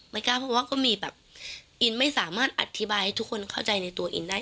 กล้าเพราะว่าก็มีแบบอินไม่สามารถอธิบายให้ทุกคนเข้าใจในตัวอินได้